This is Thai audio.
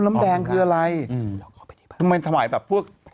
ทำไมทวายแบบพวก